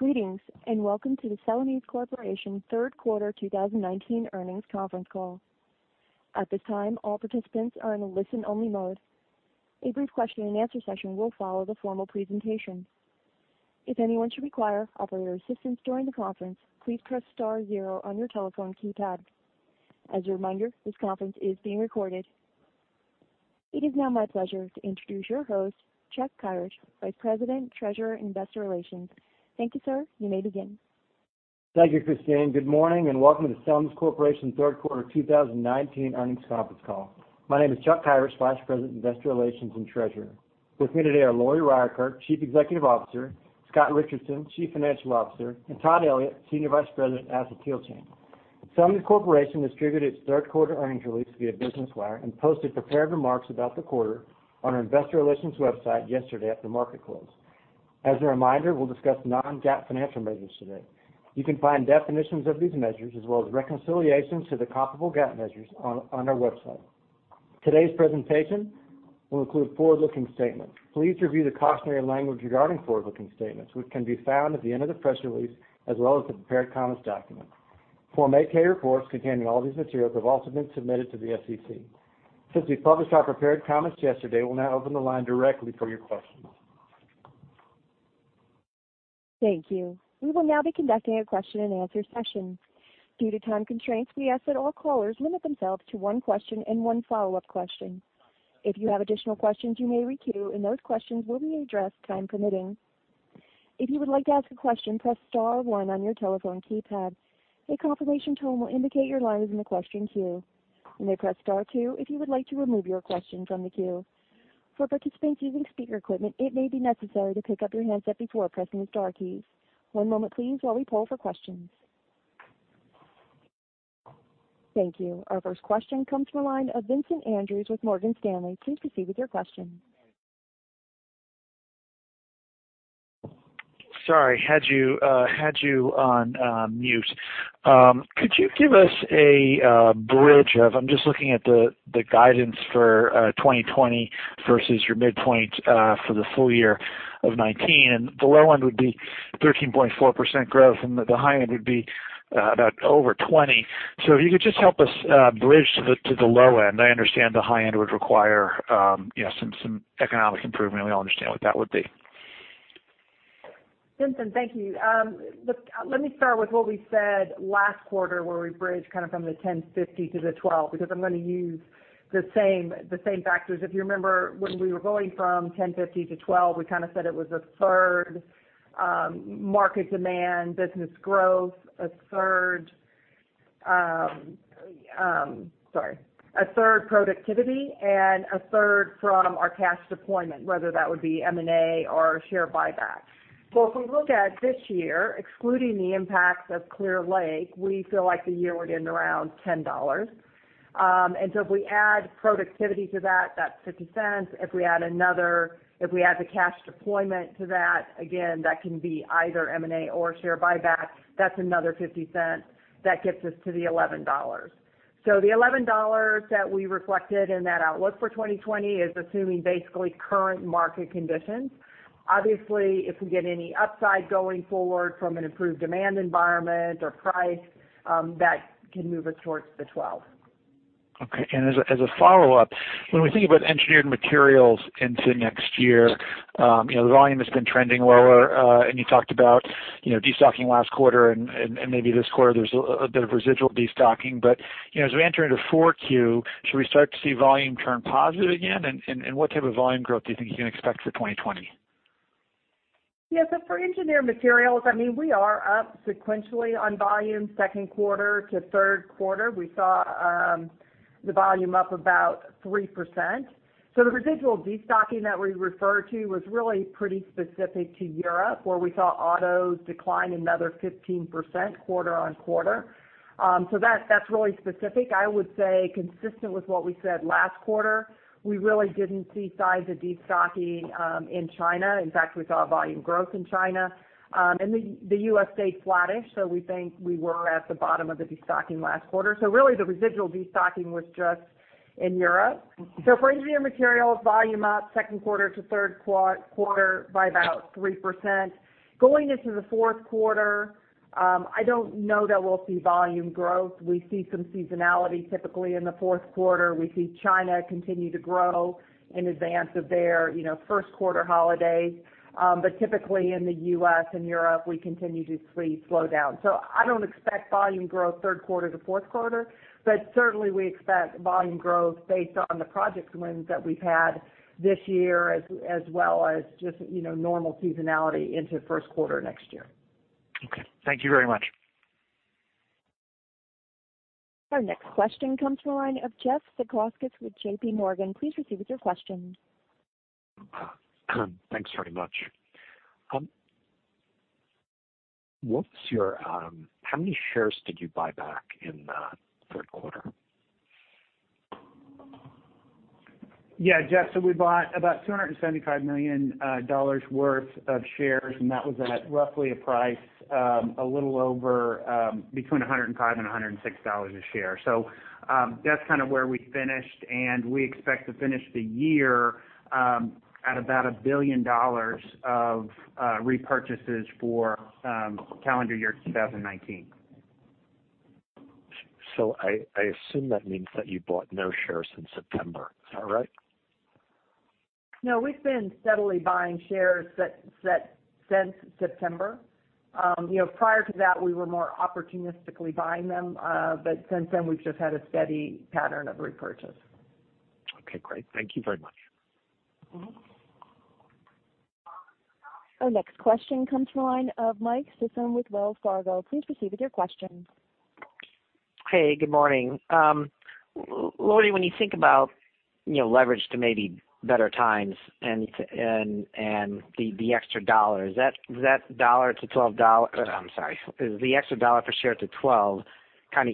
Greetings, welcome to the Celanese Corporation third quarter 2019 earnings conference call. At this time, all participants are in a listen-only mode. A brief question and answer session will follow the formal presentation. If anyone should require operator assistance during the conference, please press star zero on your telephone keypad. As a reminder, this conference is being recorded. It is now my pleasure to introduce your host, Chuck Kyrish, Vice President, Treasurer, Investor Relations. Thank you, sir. You may begin. Thank you, Christine. Good morning, and welcome to Celanese Corporation third quarter 2019 earnings conference call. My name is Chuck Kyrish, Vice President, Investor Relations, and Treasurer. With me today are Lori Ryerkerk, Chief Executive Officer, Scott Richardson, Chief Financial Officer, and Todd Elliott, Senior Vice President, Acetyl Chain. Celanese Corporation distributed its third quarter earnings release via Business Wire and posted prepared remarks about the quarter on our investor relations website yesterday after market close. As a reminder, we will discuss non-GAAP financial measures today. You can find definitions of these measures as well as reconciliations to the comparable GAAP measures on our website. Today's presentation will include forward-looking statements. Please review the cautionary language regarding forward-looking statements, which can be found at the end of the press release as well as the prepared comments document. Form 8-K reports containing all these materials have also been submitted to the SEC. Since we published our prepared comments yesterday, we'll now open the line directly for your questions. Thank you. We will now be conducting a question and answer session. Due to time constraints, we ask that all callers limit themselves to one question and one follow-up question. If you have additional questions, you may re-queue, and those questions will be addressed, time permitting. If you would like to ask a question, press star one on your telephone keypad. A confirmation tone will indicate your line is in the question queue. You may press star two if you would like to remove your question from the queue. For participants using speaker equipment, it may be necessary to pick up your handset before pressing the star keys. One moment please while we poll for questions. Thank you. Our first question comes from the line of Vincent Andrews with Morgan Stanley. Please proceed with your question. Sorry, had you on mute. Could you give us a bridge of, I'm just looking at the guidance for 2020 versus your midpoint, for the full year of 2019. The low end would be 13.4% growth. The high end would be about over 20. If you could just help us bridge to the low end. I understand the high end would require some economic improvement. We all understand what that would be. Vincent, thank you. Let me start with what we said last quarter where we bridged kind of from the $10.50 to the $12, because I'm going to use the same factors. If you remember when we were going from $10.50 to $12, we kind of said it was a third market demand, business growth, a third productivity, and a third from our cash deployment, whether that would be M&A or share buyback. If we look at this year, excluding the impacts of Clear Lake, we feel like the year would end around $10. If we add productivity to that's $0.50. If we add the cash deployment to that, again, that can be either M&A or share buyback. That's another $0.50. That gets us to the $11. The $11 that we reflected in that outlook for 2020 is assuming basically current market conditions. Obviously, if we get any upside going forward from an improved demand environment or price, that can move us towards the 12. Okay. As a follow-up, when we think about Engineered Materials into next year, the volume has been trending lower. You talked about de-stocking last quarter and maybe this quarter there's a bit of residual de-stocking. As we enter into 4Q, should we start to see volume turn positive again? What type of volume growth do you think you can expect for 2020? For Engineered Materials, we are up sequentially on volume second quarter to third quarter. We saw the volume up about 3%. The residual de-stocking that we refer to was really pretty specific to Europe, where we saw autos decline another 15% quarter-on-quarter. That's really specific. I would say consistent with what we said last quarter, we really didn't see signs of de-stocking in China. In fact, we saw volume growth in China. The U.S. stayed flattish, we think we were at the bottom of the de-stocking last quarter. Really the residual de-stocking was just in Europe. For Engineered Materials, volume up second quarter to third quarter by about 3%. Going into the fourth quarter, I don't know that we'll see volume growth. We see some seasonality typically in the fourth quarter. We see China continue to grow in advance of their first quarter holiday. Typically in the U.S. and Europe, we continue to see slowdown. I don't expect volume growth third quarter to fourth quarter. Certainly we expect volume growth based on the project wins that we've had this year, as well as just normal seasonality into first quarter next year. Okay. Thank you very much. Our next question comes from the line of Jeff Zekauskas with JPMorgan. Please proceed with your question. Thanks very much. How many shares did you buy back in the third quarter? Yeah, Jeff, we bought about $275 million worth of shares. That was at roughly a price between $105 and $106 a share. That's kind of where we finished. We expect to finish the year at about $1 billion of repurchases for calendar year 2019. I assume that means that you bought no shares since September. Is that right? No, we've been steadily buying shares since September. Prior to that, we were more opportunistically buying them. Since then, we've just had a steady pattern of repurchase. Okay, great. Thank you very much. Our next question comes from the line of Michael Sison with Wells Fargo. Please proceed with your question. Hey, good morning. Lori, when you think about leverage to maybe better times and the extra dollar, is the extra dollar per share to $12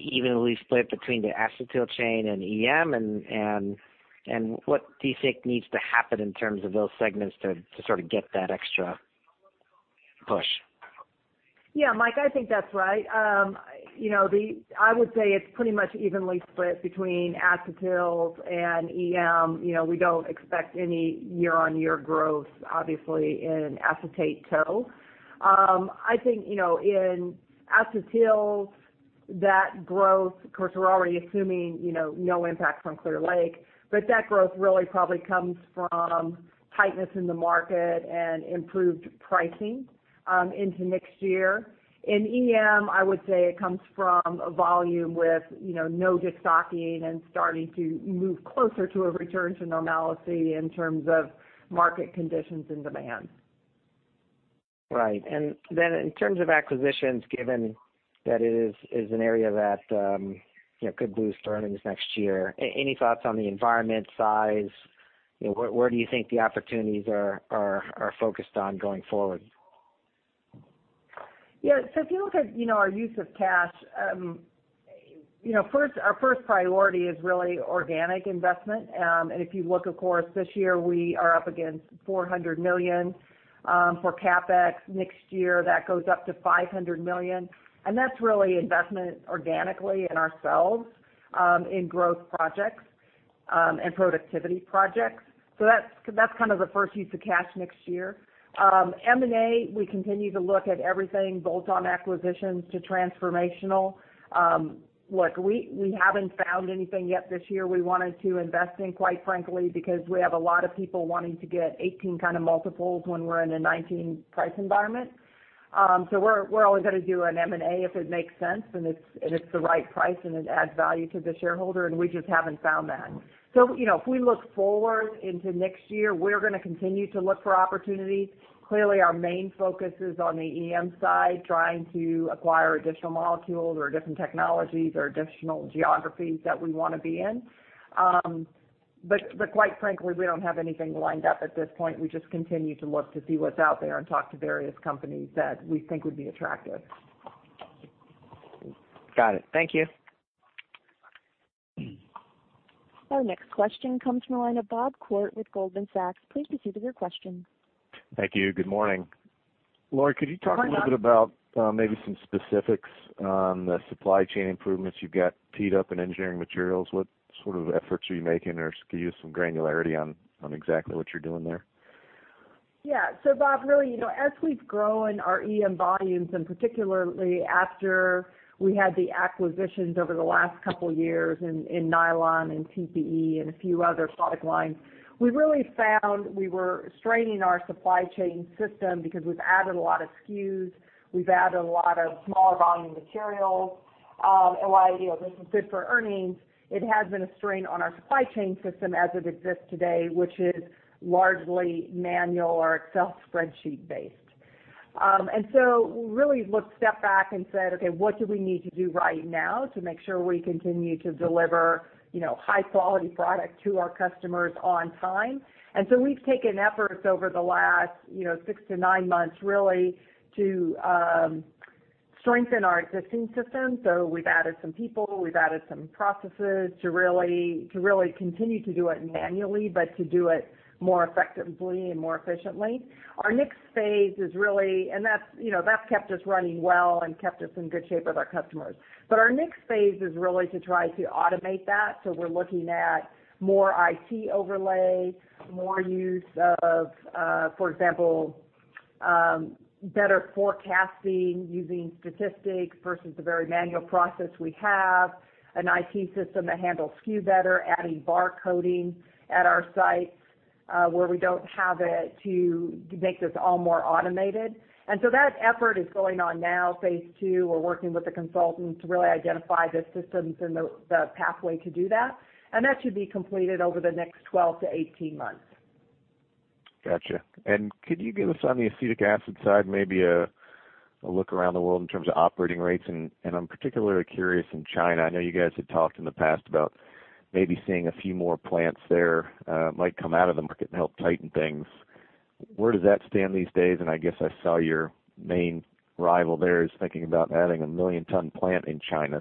evenly split between the Acetyl Chain and EM, what do you think needs to happen in terms of those segments to sort of get that extra push? Yeah, Mike, I think that's right. I would say it's pretty much evenly split between acetyls and EM. We don't expect any year-on-year growth, obviously, in acetate tow. I think, in acetyls, that growth, of course, we're already assuming no impact from Clear Lake, but that growth really probably comes from tightness in the market and improved pricing into next year. In EM, I would say it comes from a volume with no de-stocking and starting to move closer to a return to normalcy in terms of market conditions and demand. Right. In terms of acquisitions, given that it is an area that could boost earnings next year, any thoughts on the environment, size? Where do you think the opportunities are focused on going forward? Yeah. If you look at our use of cash, our first priority is really organic investment. If you look, of course, this year, we are up against $400 million for CapEx. Next year, that goes up to $500 million, and that's really investment organically in ourselves, in growth projects and productivity projects. That's kind of the first use of cash next year. M&A, we continue to look at everything, bolt-on acquisitions to transformational. Look, we haven't found anything yet this year we wanted to invest in, quite frankly, because we have a lot of people wanting to get 18 kind of multiples when we're in a 19 price environment. We're only going to do an M&A if it makes sense and it's the right price and it adds value to the shareholder, and we just haven't found that. If we look forward into next year, we're going to continue to look for opportunities. Clearly, our main focus is on the EM side, trying to acquire additional molecules or different technologies or additional geographies that we want to be in. Quite frankly, we don't have anything lined up at this point. We just continue to look to see what's out there and talk to various companies that we think would be attractive. Got it. Thank you. Our next question comes from the line of Bob Koort with Goldman Sachs. Please proceed with your question. Thank you. Good morning. Good morning, Bob. Lori, could you talk a little bit about maybe some specifics on the supply chain improvements you've got teed up in Engineered Materials? What sort of efforts are you making? Or could you give some granularity on exactly what you're doing there? Bob, really, as we've grown our EM volumes, and particularly after we had the acquisitions over the last couple of years in nylon and TPE and a few other product lines, we really found we were straining our supply chain system because we've added a lot of SKUs, we've added a lot of smaller volume materials. While this is good for earnings, it has been a strain on our supply chain system as it exists today, which is largely manual or Excel spreadsheet based. We really looked step back and said, "Okay, what do we need to do right now to make sure we continue to deliver high-quality product to our customers on time?" We've taken efforts over the last six to nine months, really to strengthen our existing system. We've added some people, we've added some processes to really continue to do it manually, but to do it more effectively and more efficiently. That's kept us running well and kept us in good shape with our customers. Our next phase is really to try to automate that. We're looking at more IT overlay, more use of, for example, better forecasting using statistics versus the very manual process we have, an IT system that handles SKU better, adding bar coding at our sites where we don't have it to make this all more automated. That effort is going on now, phase 2. We're working with a consultant to really identify the systems and the pathway to do that. That should be completed over the next 12-18 months. Got you. Could you give us on the acetic acid side, maybe a look around the world in terms of operating rates? I'm particularly curious in China. I know you guys had talked in the past about maybe seeing a few more plants there might come out of the market and help tighten things. Where does that stand these days? I guess I saw your main rival there is thinking about adding a million-ton plant in China.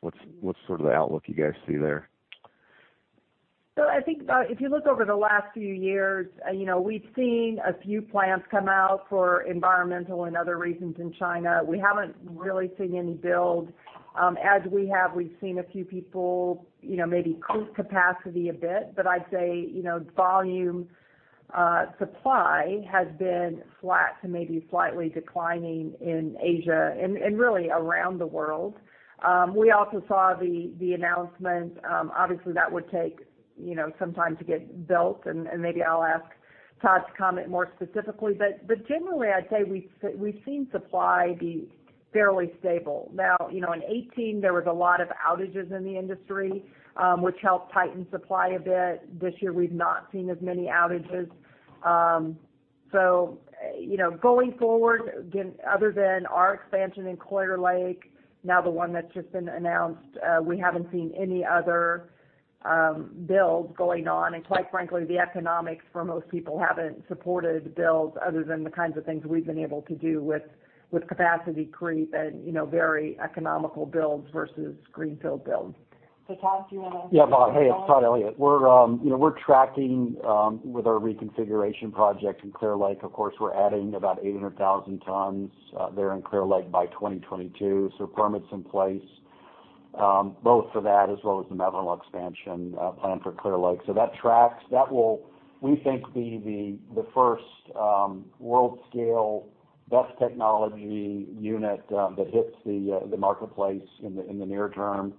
What's sort of the outlook you guys see there? I think, Bob, if you look over the last few years, we've seen a few plants come out for environmental and other reasons in China. We haven't really seen any build. As we have, we've seen a few people maybe close capacity a bit, but I'd say volume supply has been flat to maybe slightly declining in Asia, and really around the world. We also saw the announcement. Obviously, that would take some time to get built, and maybe I'll ask Todd to comment more specifically. Generally, I'd say we've seen supply be fairly stable. Now, in 2018, there was a lot of outages in the industry, which helped tighten supply a bit. This year we've not seen as many outages. Going forward, again, other than our expansion in Clear Lake, now the one that's just been announced, we haven't seen any other builds going on. Quite frankly, the economics for most people haven't supported builds other than the kinds of things we've been able to do with capacity creep and very economical builds versus greenfield builds. Todd, do you want to Bob. It's Todd Elliott. We're tracking with our reconfiguration project in Clear Lake. We're adding about 800,000 tons there in Clear Lake by 2022. Permits in place both for that as well as the methanol expansion plan for Clear Lake. That tracks. That will, we think, be the first world-scale best technology unit that hits the marketplace in the near term.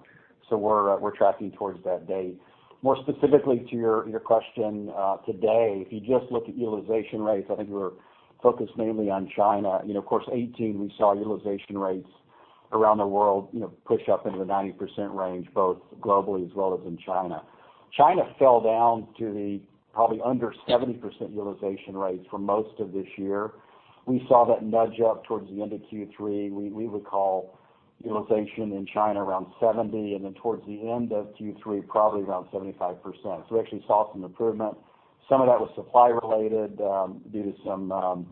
We're tracking towards that date. More specifically to your question, today, if you just look at utilization rates, I think we're focused mainly on China. 2018, we saw utilization rates around the world push up into the 90% range, both globally as well as in China. China fell down to the probably under 70% utilization rates for most of this year. We saw that nudge up towards the end of Q3. We would call utilization in China around 70%, and then towards the end of Q3, probably around 75%. We actually saw some improvement. Some of that was supply related due to some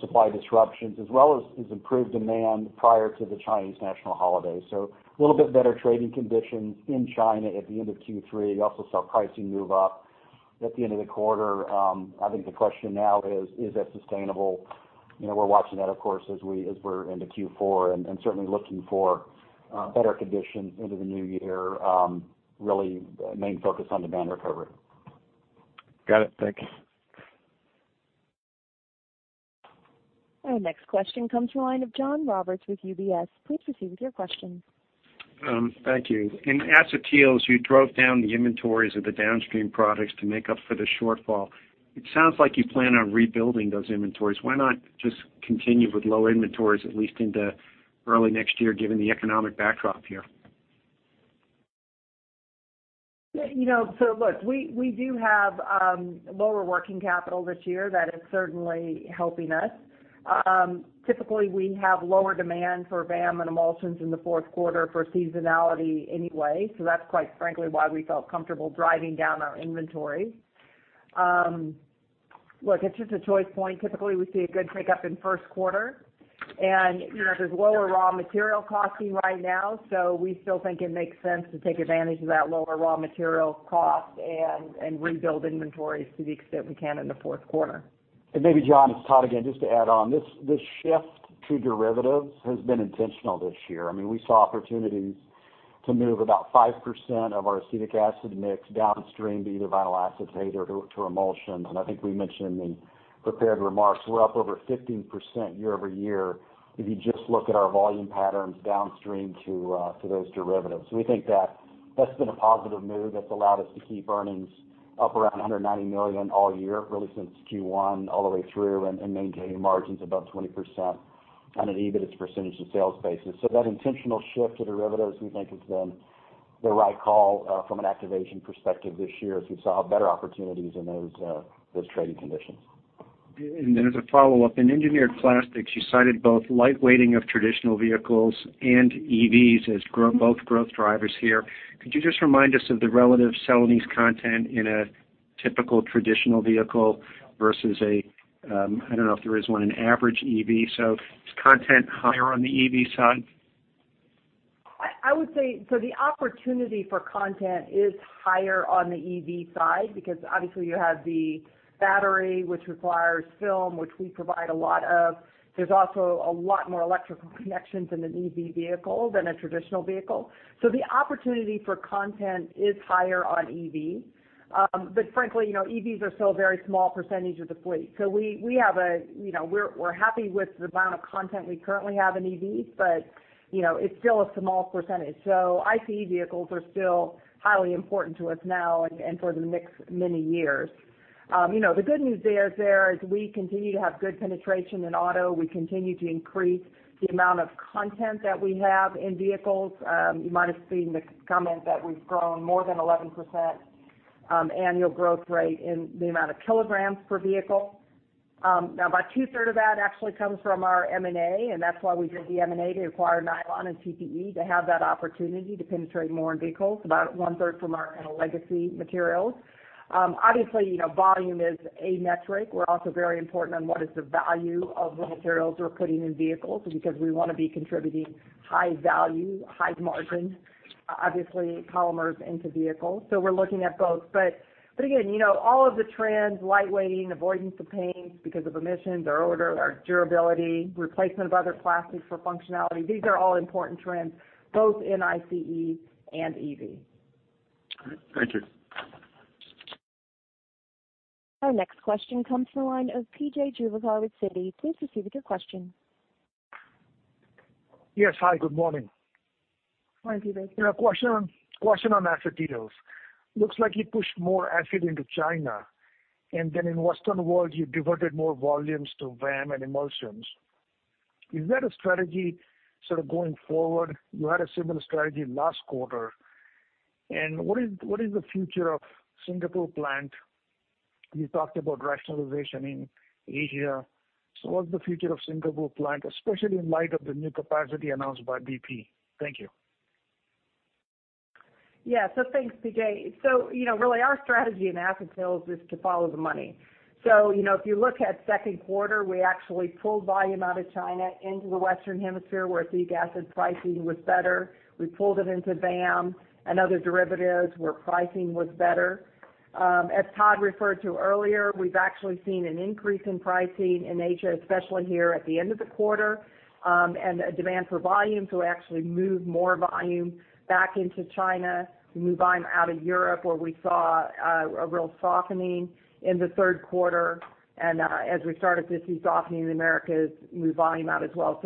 supply disruptions, as well as improved demand prior to the Chinese national holiday. A little bit better trading conditions in China at the end of Q3. You also saw pricing move up at the end of the quarter. I think the question now is that sustainable? We're watching that, of course, as we're into Q4 and certainly looking for better conditions into the new year. Really, the main focus on demand recovery. Got it. Thanks. Our next question comes from the line of John Roberts with UBS. Please proceed with your question. Thank you. In acetyls, you drove down the inventories of the downstream products to make up for the shortfall. It sounds like you plan on rebuilding those inventories. Why not just continue with low inventories, at least into early next year, given the economic backdrop here? Look, we do have lower working capital this year. That is certainly helping us. Typically, we have lower demand for VAM and emulsions in the fourth quarter for seasonality anyway. That's quite frankly why we felt comfortable driving down our inventory. Look, it's just a choice point. Typically, we see a good pick-up in first quarter. There's lower raw material costing right now, so we still think it makes sense to take advantage of that lower raw material cost and rebuild inventories to the extent we can in the fourth quarter. John, it's Todd again, just to add on. This shift to derivatives has been intentional this year. We saw opportunities to move about 5% of our acetic acid mix downstream to either vinyl acetate or to emulsions. I think we mentioned in the prepared remarks, we're up over 15% year-over-year if you just look at our volume patterns downstream to those derivatives. We think that that's been a positive move that's allowed us to keep earnings up around $190 million all year, really since Q1 all the way through, and maintaining margins above 20% on an EBIT percentage of sales basis. That intentional shift to derivatives, we think, has been the right call from an acetyl perspective this year, as we saw better opportunities in those trading conditions. Then as a follow-up, in Engineered Materials, you cited both lightweighting of traditional vehicles and EVs as both growth drivers here. Could you just remind us of the relative Celanese content in a typical traditional vehicle versus a, I don't know if there is one, an average EV? So is content higher on the EV side? I would say, the opportunity for content is higher on the EV side, because obviously you have the battery, which requires film, which we provide a lot of. There's also a lot more electrical connections in an EV vehicle than a traditional vehicle. The opportunity for content is higher on EV. Frankly, EVs are still a very small % of the fleet. We're happy with the amount of content we currently have in EVs, but it's still a small %. ICE vehicles are still highly important to us now and for the next many years. The good news there is we continue to have good penetration in auto. We continue to increase the amount of content that we have in vehicles. You might have seen the comment that we've grown more than 11% annual growth rate in the amount of kilograms per vehicle. About two-thirds of that actually comes from our M&A, and that's why we did the M&A to acquire nylon and TPE, to have that opportunity to penetrate more in vehicles, about one-third from our legacy materials. Volume is a metric. We're also very important on what is the value of the materials we're putting in vehicles, because we want to be contributing high value, high margin, obviously, polymers into vehicles. We're looking at both. Again, all of the trends, light weighting, avoidance of paints because of emissions or odor, or durability, replacement of other plastics for functionality, these are all important trends, both in ICE and EV. All right. Thank you. Our next question comes from the line of P.J. Juvekar with Citi. Please proceed with your question. Yes. Hi, good morning. Morning, P.J. Question on acetyl deals. Looks like you pushed more asset into China, and then in Western world, you diverted more volumes to VAM and emulsions. Is that a strategy sort of going forward? You had a similar strategy last quarter. What is the future of Singapore plant? You talked about rationalization in Asia. What's the future of Singapore plant, especially in light of the new capacity announced by BP? Thank you. Thanks, P.J. Really our strategy in acetyl deals is to follow the money. If you look at second quarter, we actually pulled volume out of China into the Western Hemisphere, where acetic acid pricing was better. We pulled it into VAM and other derivatives where pricing was better. As Todd referred to earlier, we've actually seen an increase in pricing in Asia, especially here at the end of the quarter, and a demand for volume. We actually moved more volume back into China. We moved volume out of Europe, where we saw a real softening in the third quarter. As we started to see softening in the Americas, moved volume out as well.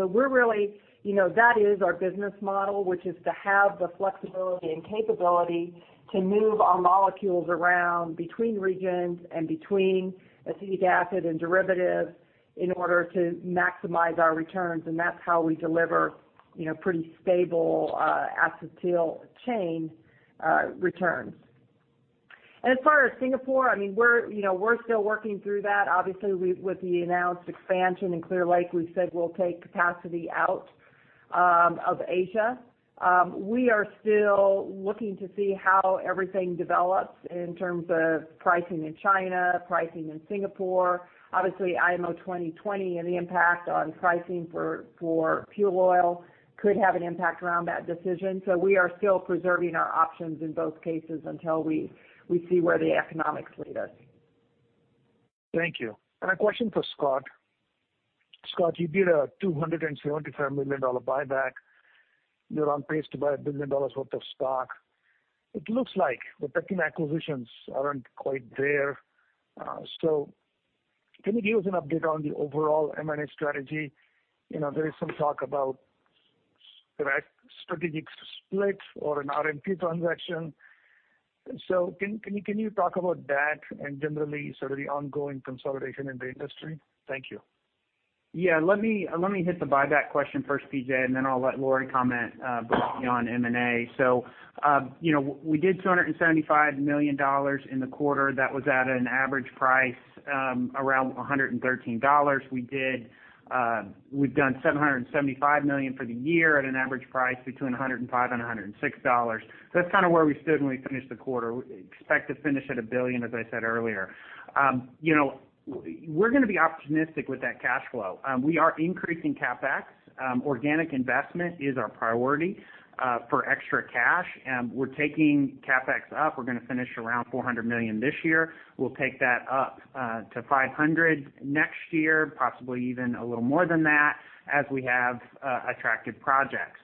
That is our business model, which is to have the flexibility and capability to move our molecules around between regions and between acetic acid and derivatives in order to maximize our returns. That's how we deliver pretty stable acetyl chain returns. As far as Singapore, we're still working through that. Obviously, with the announced expansion in Clear Lake, we said we'll take capacity out of Asia. We are still looking to see how everything develops in terms of pricing in China, pricing in Singapore. Obviously, IMO 2020 and the impact on pricing for fuel oil could have an impact around that decision. We are still preserving our options in both cases until we see where the economics lead us. Thank you. A question for Scott. Scott, you did a $275 million buyback. You're on pace to buy $1 billion worth of stock. It looks like the pertinent acquisitions aren't quite there. Can you give us an update on the overall M&A strategy? There is some talk about strategic split or an RMT transaction. Can you talk about that, and generally sort of the ongoing consolidation in the industry? Thank you. Let me hit the buyback question first, P.J., then I'll let Lori comment broadly on M&A. We did $275 million in the quarter. That was at an average price around $113. We've done $775 million for the year at an average price between $105 and $106. That's kind of where we stood when we finished the quarter. Expect to finish at $1 billion, as I said earlier. We're going to be opportunistic with that cash flow. We are increasing CapEx. Organic investment is our priority for extra cash. We're taking CapEx up. We're going to finish around $400 million this year. We'll take that up to $500 million next year, possibly even a little more than that as we have attractive projects.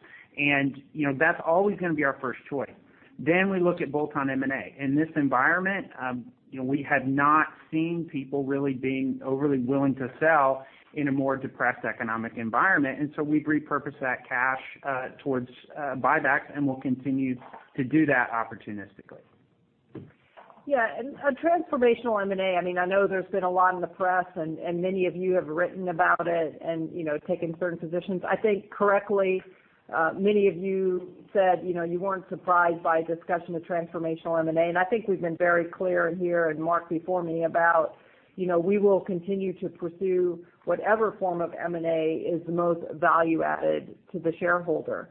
That's always going to be our first choice. We look at bolt-on M&A. In this environment, we have not seen people really being overly willing to sell in a more depressed economic environment. We've repurposed that cash towards buybacks, and we'll continue to do that opportunistically. Yeah. A transformational M&A, I know there's been a lot in the press, and many of you have written about it and taken certain positions. I think correctly, many of you said you weren't surprised by a discussion of transformational M&A. I think we've been very clear here, and Mark before me about we will continue to pursue whatever form of M&A is the most value added to the shareholder.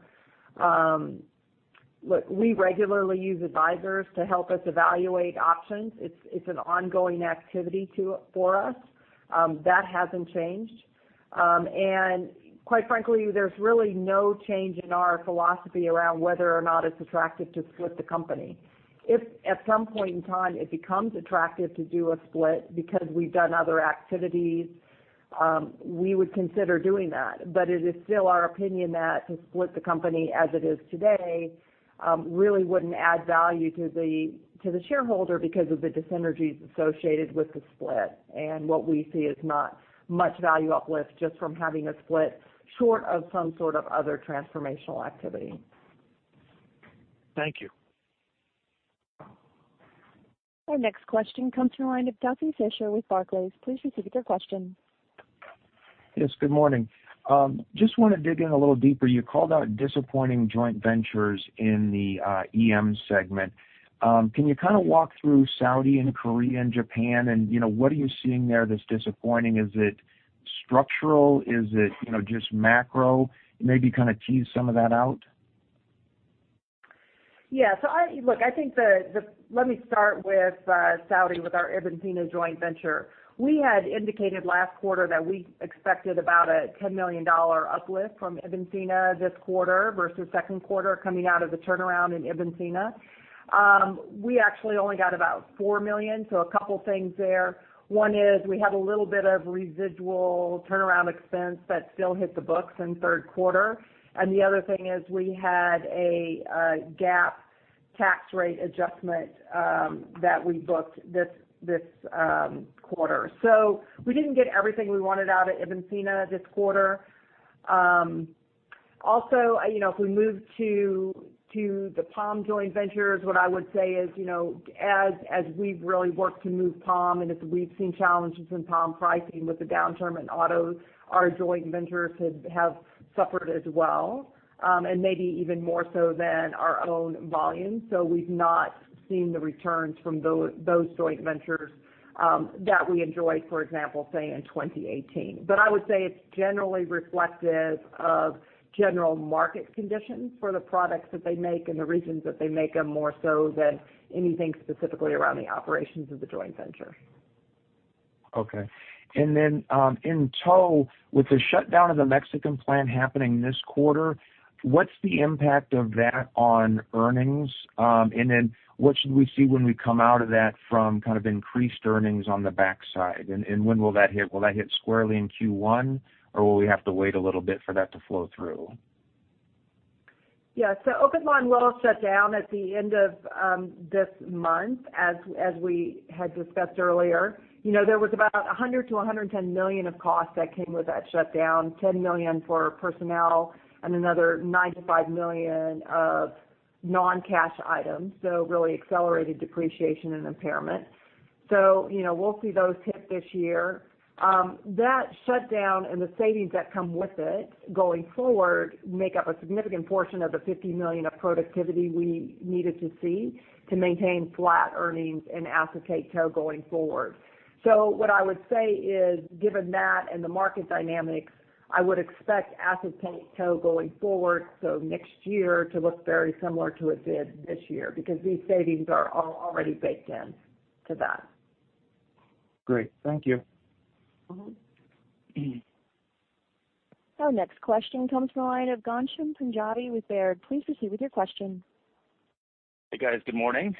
Look, we regularly use advisors to help us evaluate options. It's an ongoing activity for us. That hasn't changed. Quite frankly, there's really no change in our philosophy around whether or not it's attractive to split the company. If at some point in time it becomes attractive to do a split because we've done other activities, we would consider doing that. It is still our opinion that to split the company as it is today really wouldn't add value to the shareholder because of the dis-synergies associated with the split. What we see is not much value uplift just from having a split short of some sort of other transformational activity. Thank you. Our next question comes from the line of Duffy Fischer with Barclays. Please proceed with your question. Yes, good morning. Just want to dig in a little deeper. You called out disappointing joint ventures in the EM segment. Can you kind of walk through Saudi and Korea and Japan, and what are you seeing there that's disappointing? Is it structural? Is it just macro? Maybe kind of tease some of that out. Yeah. Look, let me start with Saudi, with our Ibn Sina joint venture. We had indicated last quarter that we expected about a $10 million uplift from Ibn Sina this quarter versus second quarter coming out of the turnaround in Ibn Sina. We actually only got about $4 million. A couple things there. One is we had a little bit of residual turnaround expense that still hit the books in third quarter. The other thing is we had a GAAP tax rate adjustment that we booked this quarter. We didn't get everything we wanted out of Ibn Sina this quarter. Also, if we move to the POM joint ventures, what I would say is, as we've really worked to move POM, and as we've seen challenges in POM pricing with the downturn in autos, our joint ventures have suffered as well, and maybe even more so than our own volume. We've not seen the returns from those joint ventures that we enjoyed, for example, say, in 2018. I would say it's generally reflective of general market conditions for the products that they make and the regions that they make them, more so than anything specifically around the operations of the joint venture. Okay. In tow, with the shutdown of the Mexican plant happening this quarter, what's the impact of that on earnings? What should we see when we come out of that from kind of increased earnings on the backside? When will that hit? Will that hit squarely in Q1, or will we have to wait a little bit for that to flow through? Ocotlán will shut down at the end of this month, as we had discussed earlier. There was about $100 million-$110 million of costs that came with that shutdown, $10 million for personnel and another nine to $5 million of non-cash items, so really accelerated depreciation and impairment. We'll see those hit this year. That shutdown and the savings that come with it going forward make up a significant portion of the $50 million of productivity we needed to see to maintain flat earnings in acetate tow going forward. What I would say is, given that and the market dynamics, I would expect acetate tow going forward, so next year, to look very similar to it did this year, because these savings are all already baked into that. Great. Thank you. Our next question comes from the line of Ghansham Panjabi with Baird. Please proceed with your question. Hey, guys. Good morning.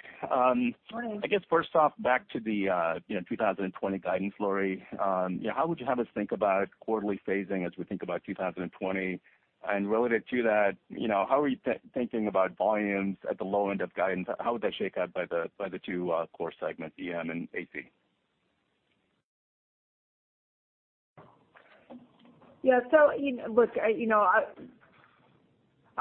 Morning. I guess first off, back to the 2020 guidance, Lori. How would you have us think about quarterly phasing as we think about 2020? Related to that, how are you thinking about volumes at the low end of guidance? How would that shake out by the two core segments, EM and AC? Yeah.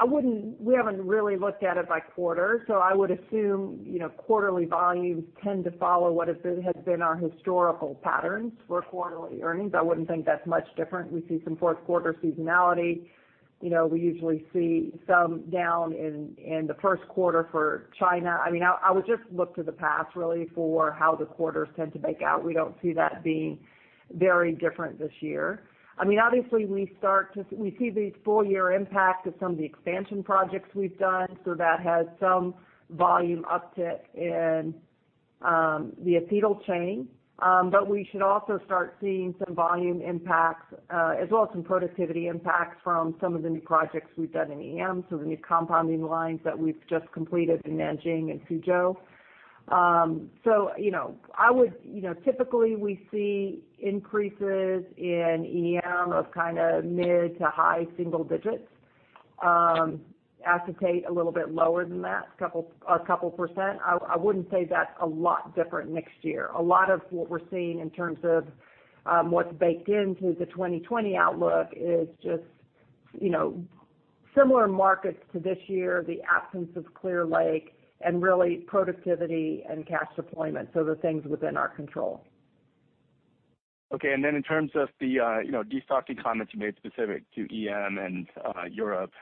Look, we haven't really looked at it by quarter, so I would assume quarterly volumes tend to follow what has been our historical patterns for quarterly earnings. I wouldn't think that's much different. We see some fourth quarter seasonality. We usually see some down in the first quarter for China. I would just look to the past, really, for how the quarters tend to bake out. We don't see that being very different this year. Obviously, we see the full year impact of some of the expansion projects we've done, so that has some volume uptick in the Acetyl Chain. We should also start seeing some volume impacts, as well as some productivity impacts from some of the new projects we've done in EM, some of the new compounding lines that we've just completed in Nanjing and Suzhou. Typically, we see increases in EM of mid to high single digits. Acetate, a little bit lower than that, a couple %. I wouldn't say that's a lot different next year. A lot of what we're seeing in terms of what's baked into the 2020 outlook is just similar markets to this year, the absence of Clear Lake, and really productivity and cash deployment, so the things within our control. Okay. Then in terms of the de-stocking comments you made specific to EM and Europe,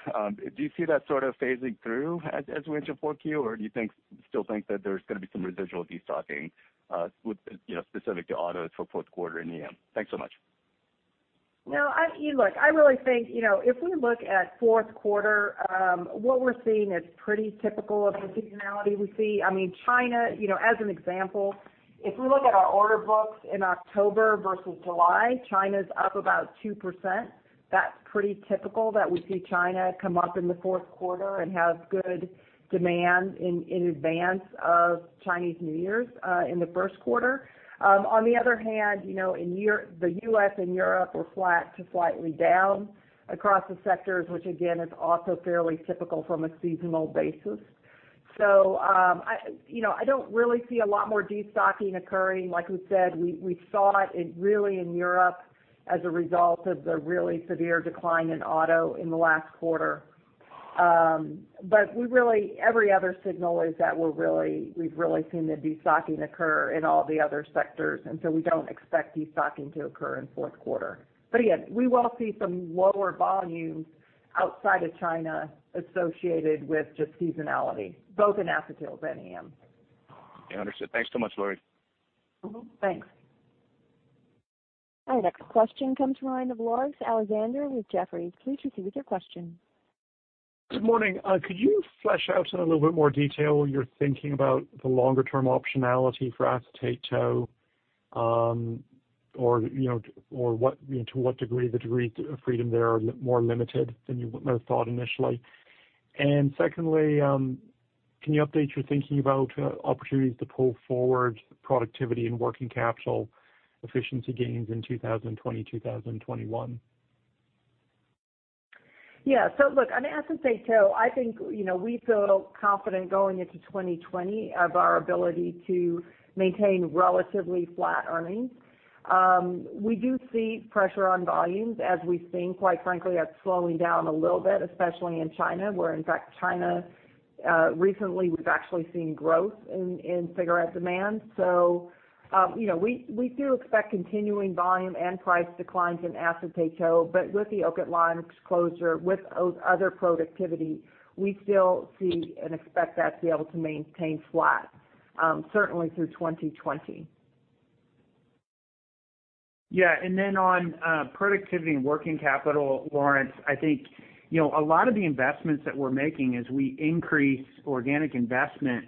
do you see that sort of phasing through as we enter 4Q, or do you still think that there's going to be some residual de-stocking specific to autos for fourth quarter in EM? Thanks so much. Look, I really think, if we look at fourth quarter, what we're seeing is pretty typical of the seasonality we see. China, as an example, if we look at our order books in October versus July, China's up about 2%. That's pretty typical that we see China come up in the fourth quarter and have good demand in advance of Chinese New Year in the first quarter. On the other hand, the U.S. and Europe were flat to slightly down across the sectors, which again, is also fairly typical from a seasonal basis. I don't really see a lot more de-stocking occurring. Like we said, we saw it really in Europe as a result of the really severe decline in auto in the last quarter. Every other signal is that we've really seen the de-stocking occur in all the other sectors. We don't expect de-stocking to occur in fourth quarter. Again, we will see some lower volumes outside of China associated with just seasonality, both in acetyls and EM. Yeah, understood. Thanks so much, Lori. Mm-hmm. Thanks. Our next question comes from the line of Laurence Alexander with Jefferies. Please proceed with your question. Good morning. Could you flesh out in a little bit more detail your thinking about the longer-term optionality for acetate tow, or to what degree the degree of freedom there are more limited than you might have thought initially? Secondly, can you update your thinking about opportunities to pull forward productivity and working capital efficiency gains in 2020, 2021? Yeah. Look, on acetate tow, I think, we feel confident going into 2020 of our ability to maintain relatively flat earnings. We do see pressure on volumes as we've seen, quite frankly, that slowing down a little bit, especially in China, where in fact China, recently we've actually seen growth in cigarette demand. We do expect continuing volume and price declines in acetate tow. With the Ocotlán closure, with other productivity, we still see and expect that to be able to maintain flat, certainly through 2020. Yeah. On productivity and working capital, Laurence, I think, a lot of the investments that we're making as we increase organic investment,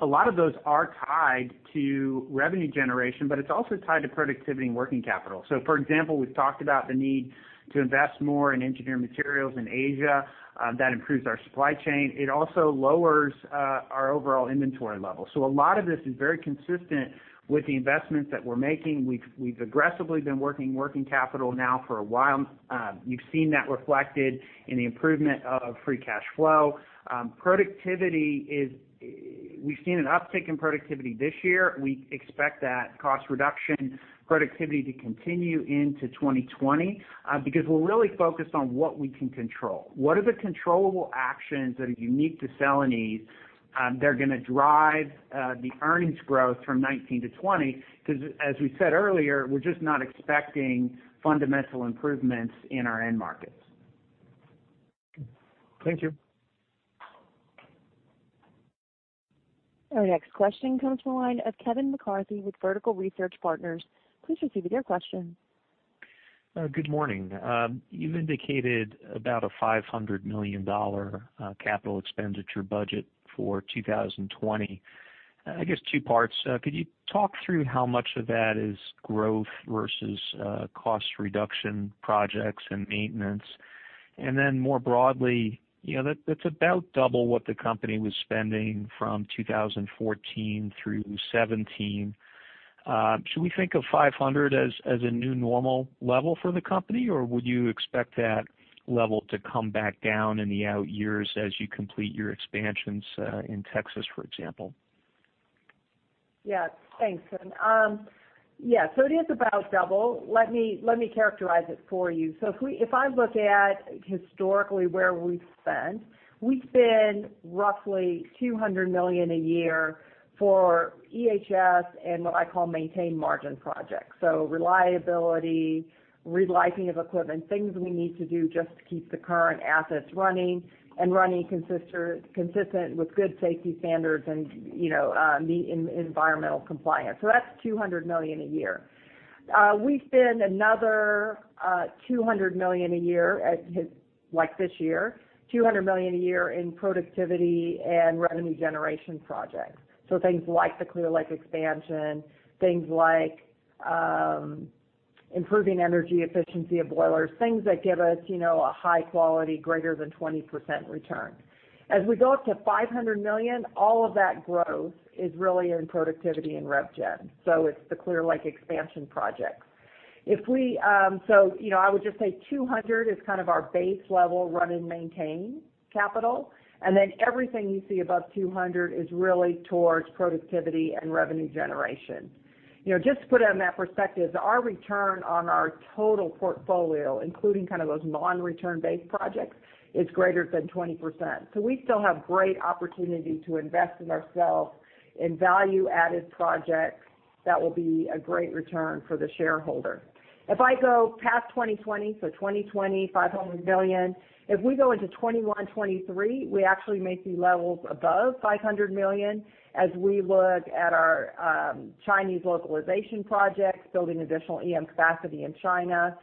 a lot of those are tied to revenue generation, but it's also tied to productivity and working capital. For example, we've talked about the need to invest more in Engineered Materials in Asia. That improves our supply chain. It also lowers our overall inventory level. A lot of this is very consistent with the investments that we're making. We've aggressively been working capital now for a while. You've seen that reflected in the improvement of free cash flow. Productivity, we've seen an uptick in productivity this year. We expect that cost reduction productivity to continue into 2020, because we're really focused on what we can control. What are the controllable actions that are unique to Celanese that are going to drive the earnings growth from 2019 to 2020? Because as we said earlier, we're just not expecting fundamental improvements in our end markets. Thank you. Our next question comes from the line of Kevin McCarthy with Vertical Research Partners. Please proceed with your question. Good morning. You've indicated about a $500 million capital expenditure budget for 2020. I guess two parts. Could you talk through how much of that is growth versus cost reduction projects and maintenance? More broadly, that's about double what the company was spending from 2014 through 2017. Should we think of 500 as a new normal level for the company, or would you expect that level to come back down in the out years as you complete your expansions in Texas, for example? Thanks, Kevin. It is about double. Let me characterize it for you. If I look at historically where we've spent, we spend roughly $200 million a year for EHS and what I call maintain margin projects. Reliability, re-lighting of equipment, things we need to do just to keep the current assets running and running consistent with good safety standards and meet environmental compliance. That's $200 million a year. We spend another $200 million a year at, like this year, $200 million a year in productivity and revenue generation projects. Things like the Clear Lake expansion, things like improving energy efficiency of boilers, things that give us a high quality, greater than 20% return. As we go up to $500 million, all of that growth is really in productivity and revenue generation. It's the Clear Lake expansion projects. I would just say $200 is kind of our base level run and maintain capital, and then everything you see above $200 is really towards productivity and revenue generation. Just to put it in that perspective, our return on our total portfolio, including those non-return based projects, is greater than 20%. We still have great opportunity to invest in ourselves in value added projects that will be a great return for the shareholder. If I go past 2020, $500 million. If we go into 2021, 2023, we actually may see levels above $500 million as we look at our Chinese localization projects, building additional EM capacity in China,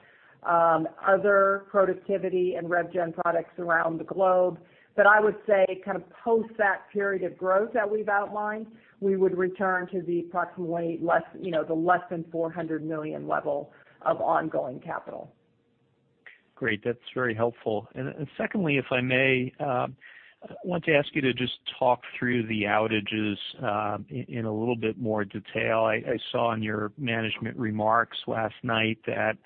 other productivity and revenue generation products around the globe. I would say kind of post that period of growth that we've outlined, we would return to the approximately less than $400 million level of ongoing capital. Great. That's very helpful. Secondly, if I may, I want to ask you to just talk through the outages in a little bit more detail. I saw in your management remarks last night that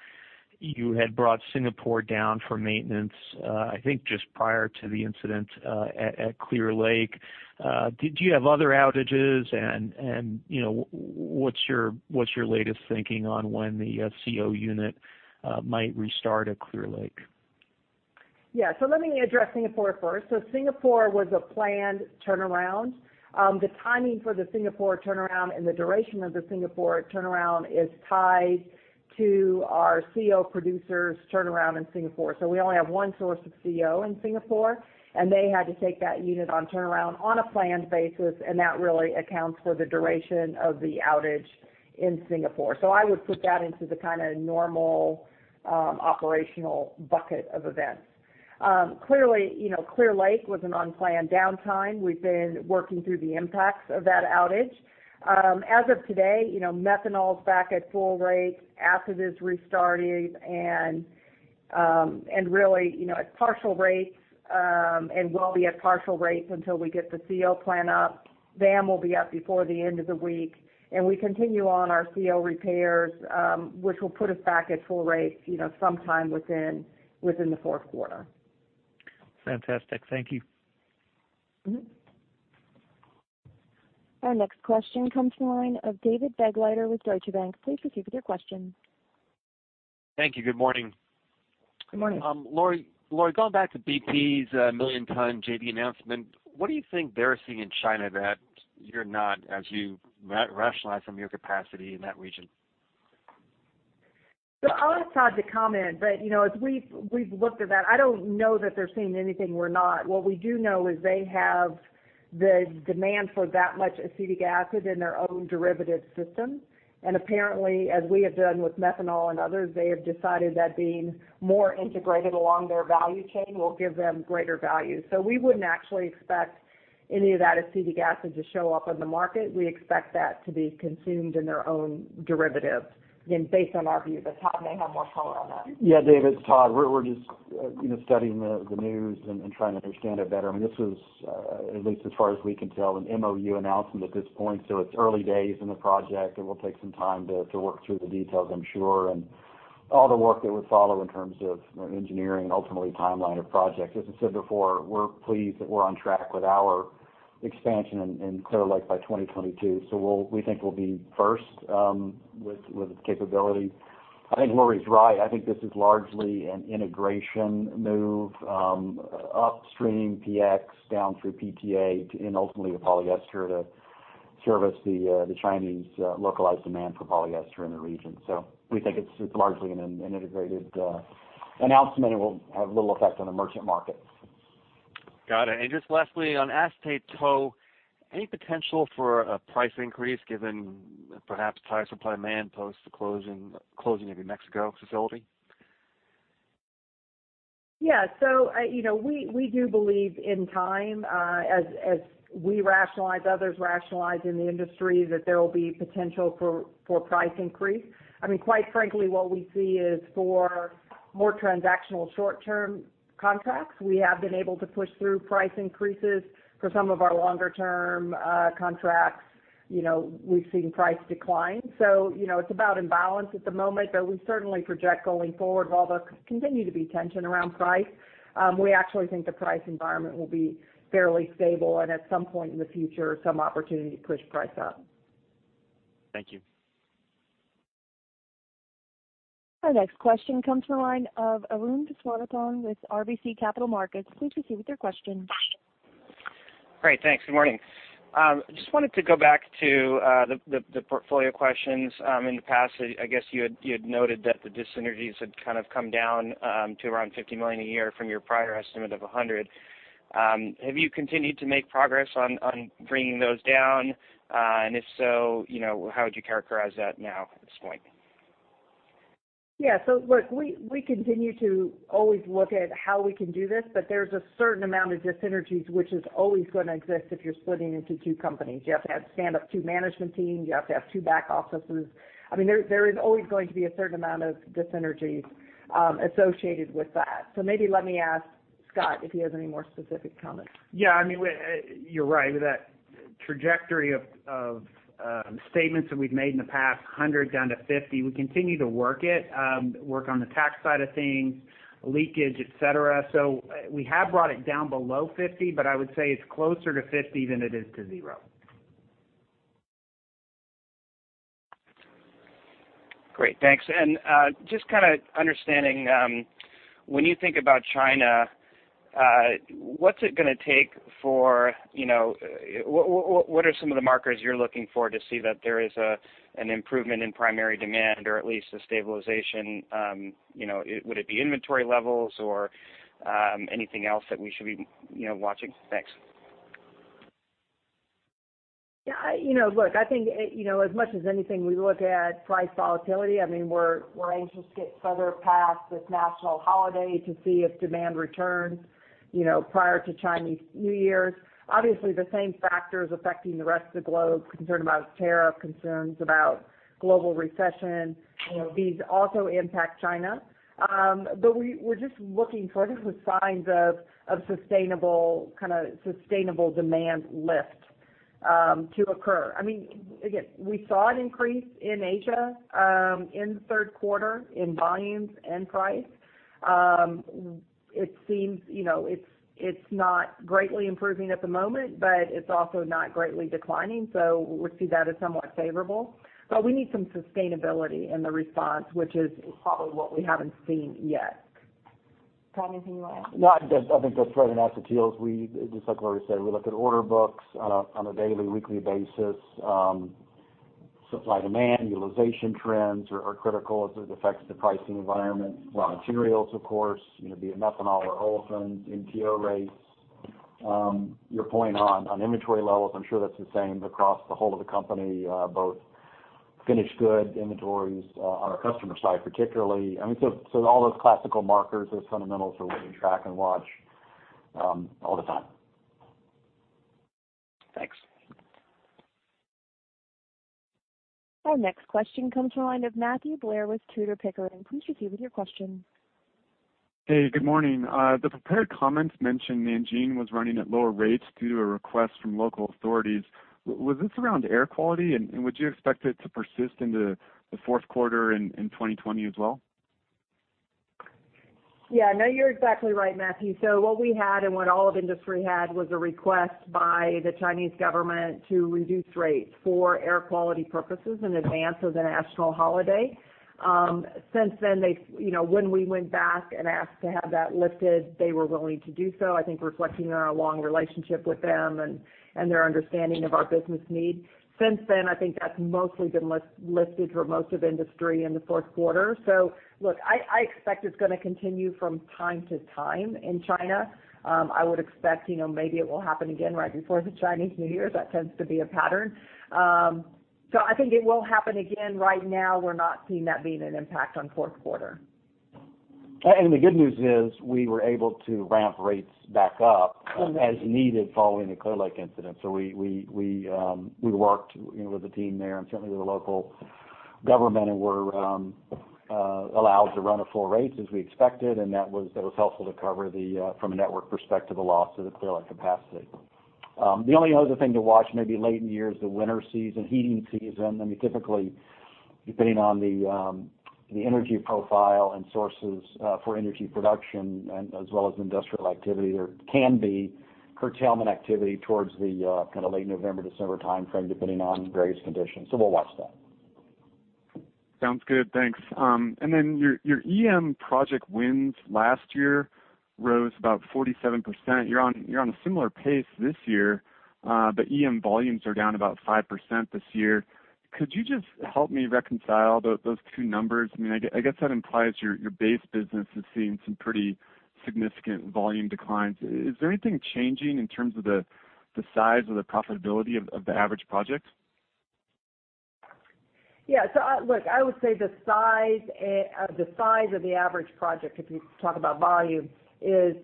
you had brought Singapore down for maintenance I think just prior to the incident at Clear Lake. Did you have other outages? What's your latest thinking on when the CO unit might restart at Clear Lake? Let me address Singapore first. Singapore was a planned turnaround. The timing for the Singapore turnaround and the duration of the Singapore turnaround is tied to our CO producer's turnaround in Singapore. We only have one source of CO in Singapore, and they had to take that unit on turnaround on a planned basis, and that really accounts for the duration of the outage in Singapore. I would put that into the kind of normal operational bucket of events. Clear Lake was an unplanned downtime. We've been working through the impacts of that outage. As of today, methanol is back at full rate. Acid is restarting and really at partial rates, and will be at partial rates until we get the CO plant up. VAM will be up before the end of the week, and we continue on our CO repairs, which will put us back at full rates sometime within the fourth quarter. Fantastic. Thank you. Our next question comes from the line of David Begleiter with Deutsche Bank. Please proceed with your question. Thank you. Good morning. Good morning. Lori, going back to BP's 1 million ton JV announcement, what do you think they're seeing in China that you're not, as you rationalize some of your capacity in that region? I'll ask Todd to comment, but as we've looked at that, I don't know that they're seeing anything we're not. What we do know is they have the demand for that much acetic acid in their own derivative system. Apparently, as we have done with methanol and others, they have decided that being more integrated along their value chain will give them greater value. We wouldn't actually expect any of that acetic acid to show up in the market. We expect that to be consumed in their own derivative based on our view. Todd may have more color on that. Yeah, David, it's Todd. We're just studying the news and trying to understand it better. This was, at least as far as we can tell, an MOU announcement at this point. It's early days in the project, it will take some time to work through the details, I'm sure, and all the work that would follow in terms of engineering, ultimately timeline of project. As I said before, we're pleased that we're on track with our expansion in Clear Lake by 2022. We think we'll be first with its capability. I think Lori's right. I think this is largely an integration move upstream PX down through PTA and ultimately to polyester to service the Chinese localized demand for polyester in the region. We think it's largely an integrated announcement, it will have little effect on the merchant market. Got it. Just lastly, on acetate tow, any potential for a price increase given perhaps tighter supply demand post the closing of your Mexico facility? Yeah. We do believe in time, as we rationalize, others rationalize in the industry, that there will be potential for price increase. Quite frankly, what we see is for more transactional short-term contracts, we have been able to push through price increases. For some of our longer-term contracts, we've seen price decline. It's about in balance at the moment. We certainly project going forward, while there continue to be tension around price, we actually think the price environment will be fairly stable and at some point in the future, some opportunity to push price up. Thank you. Our next question comes from the line of Arun Viswanathan with RBC Capital Markets. Please proceed with your question. Great. Thanks. Good morning. Just wanted to go back to the portfolio questions. In the past, I guess you had noted that the dis-synergies had kind of come down to around $50 million a year from your prior estimate of $100 million. Have you continued to make progress on bringing those down? If so, how would you characterize that now at this point? Yeah. Look, we continue to always look at how we can do this, but there's a certain amount of dis-synergies which is always going to exist if you're splitting into two companies. You have to have stand up two management teams. You have to have two back offices. There is always going to be a certain amount of dis-synergies associated with that. Maybe let me ask Scott if he has any more specific comments. Yeah. You're right. That trajectory of statements that we've made in the past, 100 down to 50, we continue to work it, work on the tax side of things, leakage, et cetera. We have brought it down below 50, but I would say it's closer to 50 than it is to zero. Great. Thanks. Just kind of understanding, when you think about China, what are some of the markers you're looking for to see that there is an improvement in primary demand or at least a stabilization? Would it be inventory levels or anything else that we should be watching? Thanks. Yeah. Look, I think, as much as anything, we look at price volatility. We're anxious to get further past this national holiday to see if demand returns, prior to Chinese New Year. Obviously, the same factors affecting the rest of the globe, concern about tariff, concerns about global recession. These also impact China. We're just looking for, I think, the signs of sustainable demand lift to occur. Again, we saw an increase in Asia, in the third quarter in volumes and price. It's not greatly improving at the moment, but it's also not greatly declining. We see that as somewhat favorable. We need some sustainability in the response, which is probably what we haven't seen yet. Todd, anything you want to add? No, I think that's probably enough. It feels we, just like Lori said, we look at order books on a daily, weekly basis. Supply, demand, utilization trends are critical as it affects the pricing environment. Raw materials, of course, be it methanol or olefins, MTO rates. Your point on inventory levels, I'm sure that's the same across the whole of the company, both finished good inventories on our customer side, particularly. All those classical markers are fundamentals that we track and watch all the time. Thanks. Our next question comes from the line of Matthew Blair with Tudor, Pickering. Please proceed with your question. Hey, good morning. The prepared comments mentioned Nanjing was running at lower rates due to a request from local authorities. Was this around air quality, and would you expect it to persist into the fourth quarter in 2020 as well? You're exactly right, Matthew. What we had and what all of industry had was a request by the Chinese government to reduce rates for air quality purposes in advance of the national holiday. Since then, when we went back and asked to have that lifted, they were willing to do so, I think reflecting on our long relationship with them and their understanding of our business need. Since then, I think that's mostly been lifted for most of industry in the fourth quarter. Look, I expect it's going to continue from time to time in China. I would expect maybe it will happen again right before the Chinese New Year. That tends to be a pattern. I think it will happen again. Right now, we're not seeing that being an impact on fourth quarter. The good news is we were able to ramp rates back up as needed following the Clear Lake incident. We worked with the team there and certainly with the local government and were allowed to run at full rates as we expected. That was helpful to cover, from a network perspective, a loss of the Clear Lake capacity. The only other thing to watch maybe late in the year is the winter season, heating season. Typically, depending on the energy profile and sources for energy production as well as industrial activity, there can be curtailment activity towards the late November, December timeframe, depending on various conditions. We'll watch that. Sounds good. Thanks. Your EM project wins last year rose about 47%. You're on a similar pace this year, EM volumes are down about 5% this year. Could you just help me reconcile those two numbers? I guess that implies your base business is seeing some pretty significant volume declines. Is there anything changing in terms of the size or the profitability of the average project? Look, I would say the size of the average project, if you talk about volume, is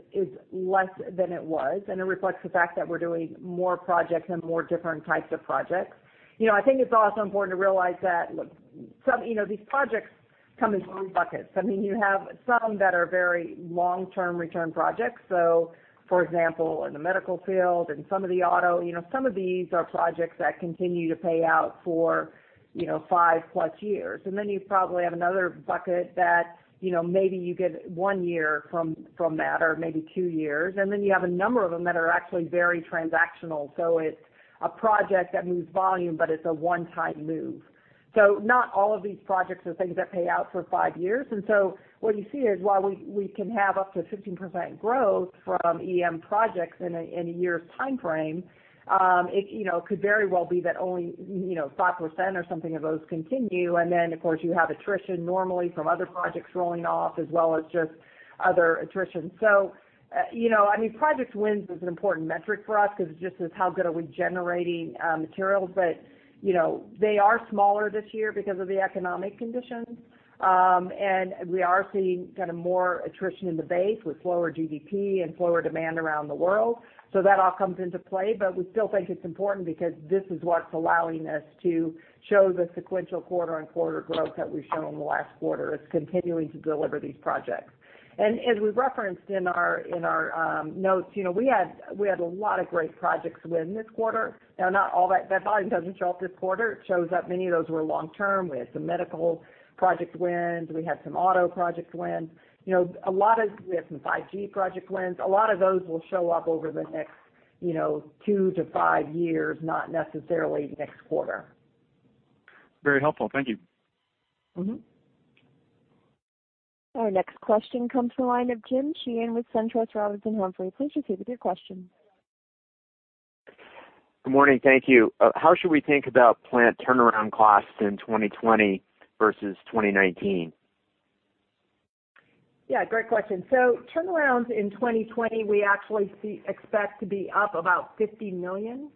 less than it was, and it reflects the fact that we're doing more projects and more different types of projects. I think it's also important to realize that these projects come in three buckets. You have some that are very long-term return projects. For example, in the medical field and some of the auto, some of these are projects that continue to pay out for 5+ years. Then you probably have another bucket that maybe you get one year from that, or maybe two years. Then you have a number of them that are actually very transactional. It's a project that moves volume, but it's a one-time move. Not all of these projects are things that pay out for five years. What you see is while we can have up to 15% growth from EM projects in a year's timeframe, it could very well be that only 5% or something of those continue. Of course, you have attrition normally from other projects rolling off, as well as just other attrition. Project wins is an important metric for us because it just is how good are we generating materials. They are smaller this year because of the economic conditions. We are seeing more attrition in the base with slower GDP and slower demand around the world. That all comes into play. We still think it's important because this is what's allowing us to show the sequential quarter-on-quarter growth that we've shown in the last quarter, is continuing to deliver these projects. As we referenced in our notes, we had a lot of great projects win this quarter. Now, not all that volume doesn't show up this quarter. It shows up. Many of those were long-term. We had some medical project wins. We had some auto project wins. We had some 5G project wins. A lot of those will show up over the next two to five years, not necessarily next quarter. Very helpful. Thank you. Our next question comes from the line of Jim Sheehan with SunTrust Robinson Humphrey. Please proceed with your question. Good morning. Thank you. How should we think about plant turnaround costs in 2020 versus 2019? Yeah, great question. Turnarounds in 2020, we actually expect to be up about $50 million.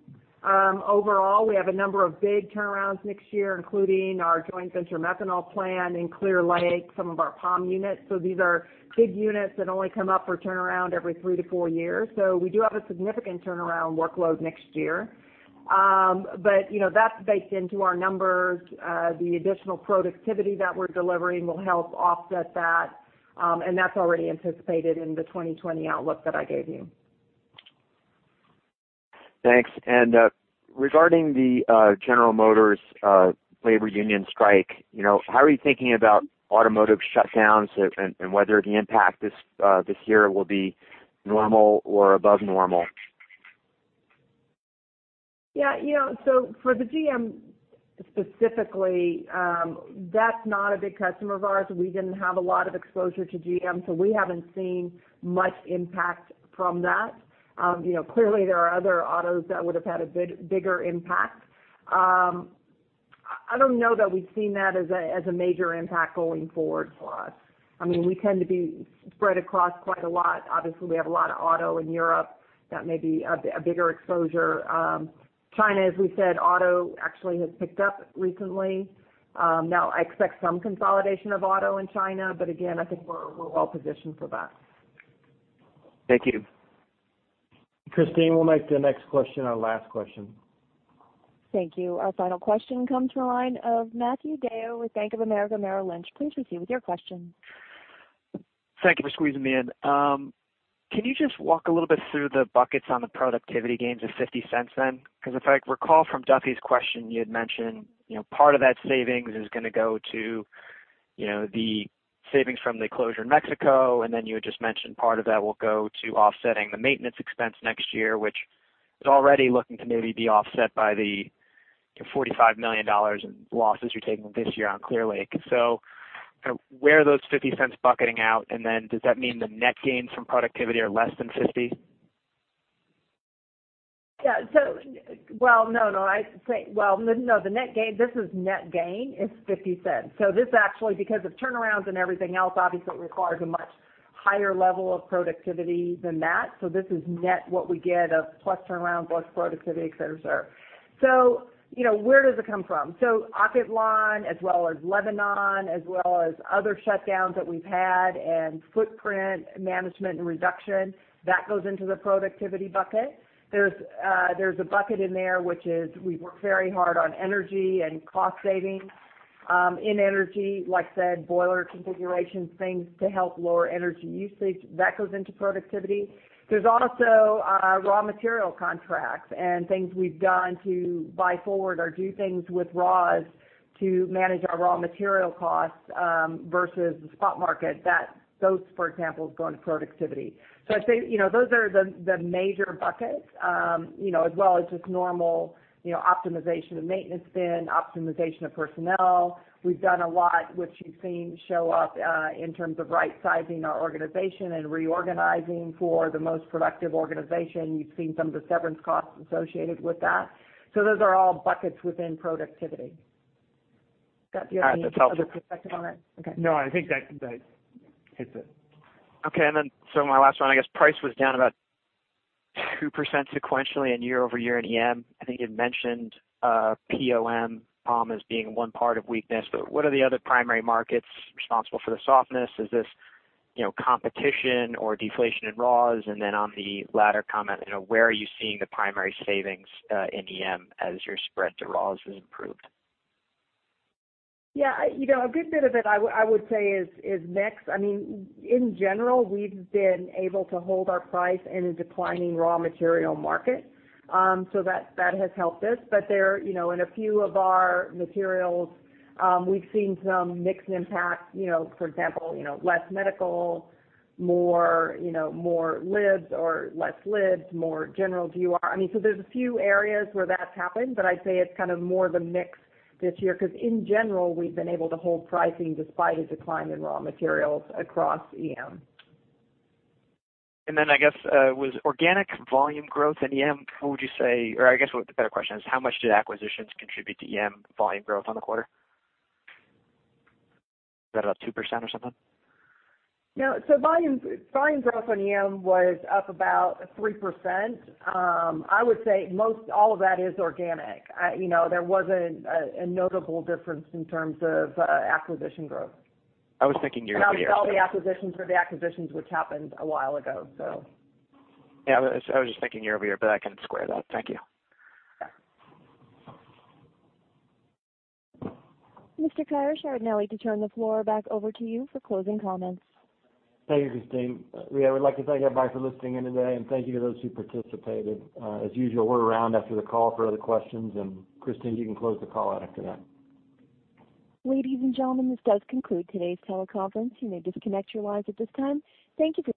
Overall, we have a number of big turnarounds next year, including our joint venture methanol plant in Clear Lake, some of our POM units. These are big units that only come up for turnaround every three to four years. We do have a significant turnaround workload next year. That's baked into our numbers. The additional productivity that we're delivering will help offset that, and that's already anticipated in the 2020 outlook that I gave you. Thanks. Regarding the General Motors labor union strike, how are you thinking about automotive shutdowns and whether the impact this year will be normal or above normal? Yeah. For the GM specifically, that's not a big customer of ours. We didn't have a lot of exposure to GM, so we haven't seen much impact from that. Clearly, there are other autos that would have had a bigger impact. I don't know that we've seen that as a major impact going forward for us. We tend to be spread across quite a lot. Obviously, we have a lot of auto in Europe. That may be a bigger exposure. China, as we said, auto actually has picked up recently. Now, I expect some consolidation of auto in China, but again, I think we're well positioned for that. Thank you. Christine, we'll make the next question our last question. Thank you. Our final question comes from the line of Matthew DeYoe with Bank of America Merrill Lynch. Please proceed with your question. Thank you for squeezing me in. Can you just walk a little bit through the buckets on the productivity gains of $0.50 then? Because if I recall from Duffy's question, you had mentioned, part of that savings is going to go to the savings from the closure in Mexico, and then you had just mentioned part of that will go to offsetting the maintenance expense next year, which is already looking to maybe be offset by the $45 million in losses you're taking this year on Clear Lake. Where are those $0.50 bucketing out, and then does that mean the net gains from productivity are less than 50? Yeah. Well, no, the net gain, this is net gain, is $0.50. This actually, because of turnarounds and everything else, obviously requires a much higher level of productivity than that. This is net what we get of plus turnaround, plus productivity, et cetera, et cetera. Where does it come from? Ocotlán, as well as Lebanon, as well as other shutdowns that we've had, and footprint management and reduction, that goes into the productivity bucket. There's a bucket in there which is, we work very hard on energy and cost saving. In energy, like I said, boiler configurations, things to help lower energy usage. That goes into productivity. There's also raw material contracts and things we've done to buy forward or do things with raws to manage our raw material costs versus the spot market. Those, for example, go into productivity. I'd say, those are the major buckets, as well as just normal optimization of maintenance bin, optimization of personnel. We've done a lot, which you've seen show up in terms of rightsizing our organization and reorganizing for the most productive organization. You've seen some of the severance costs associated with that. Those are all buckets within productivity. Doug, do you have any other perspective on it? Okay. No, I think that hits it. My last one, I guess price was down about 2% sequentially and year-over-year in EM. I think you'd mentioned POM as being one part of weakness, but what are the other primary markets responsible for the softness? Is this competition or deflation in raws? On the latter comment, where are you seeing the primary savings in EM as your spread to raws has improved? Yeah. A good bit of it, I would say, is mix. In general, we've been able to hold our price in a declining raw material market. That has helped us. In a few of our materials, we've seen some mix impact, for example, less medical, more libs or less libs, more general DUROSET. There's a few areas where that's happened, but I'd say it's kind of more the mix this year, because in general, we've been able to hold pricing despite a decline in raw materials across EM. I guess the better question is, how much did acquisitions contribute to EM volume growth on the quarter? Was that about 2% or something? No. Volume growth on EM was up about 3%. I would say most all of that is organic. There wasn't a notable difference in terms of acquisition growth. I was thinking year-over-year. Obviously, all the acquisitions were the acquisitions which happened a while ago. Yeah, I was just thinking year-over-year, that kind of squared up. Thank you. Yeah. Mr. Kyrish, I would now like to turn the floor back over to you for closing comments. Thank you, Christine. Ria, we'd like to thank everybody for listening in today, and thank you to those who participated. As usual, we're around after the call for other questions, and Christine, you can close the call out after that. Ladies and gentlemen, this does conclude today's teleconference. You may disconnect your lines at this time. Thank you for your participation.